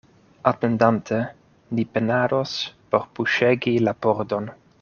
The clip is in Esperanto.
Atendante, ni penados por puŝegi la pordon.